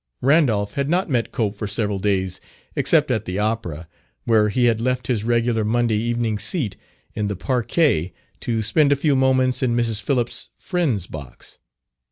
Randolph had not met Cope for several days, except at the opera, where he had left his regular Monday evening seat in the parquet to spend a few moments in Mrs. Phillips' friend's box.